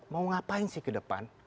mau ngapain sih ke depan